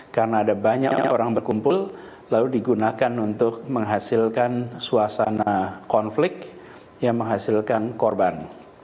karena ada banyak orang yang berkumpul lalu digunakan untuk menghasilkan suasana konflik yang menghasilkan korban